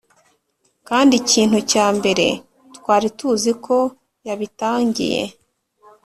kandi ikintu cya mbere twari tuzi ko yabitangiye.